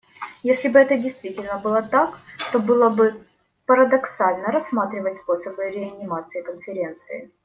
Если бы это действительно было так, то было бы парадоксально рассматривать способы реанимации Конференции.